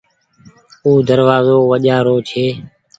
او دروآزو وجهآ رو ڇي۔